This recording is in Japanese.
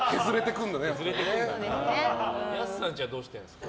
安さんちはどうしてるんですか。